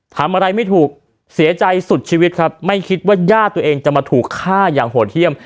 ทำอะไรไม่ถูกเสียใจสุดชีวิตครับไม่คิดว่าญาติตัวเองจะมาถูกฆ่าอย่างโหดเยี่ยม